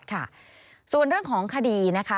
ค่ะส่วนเรื่องของคดีนะคะ